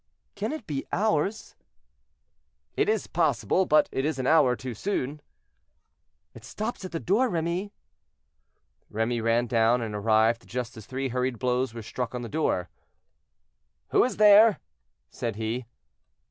"Can it be ours?" "It is possible; but it is an hour too soon." "It stops at the door, Remy." Remy ran down and arrived just as three hurried blows were struck on the door. "Who is there?" said he.